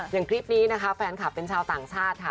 อย่างคลิปนี้นะคะแฟนคลับเป็นชาวต่างชาติค่ะ